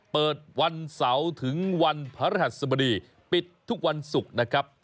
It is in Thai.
เปิดวันเสาร์ถึงวันพระรหัสบดีปิดทุกวันศุกร์นะครับ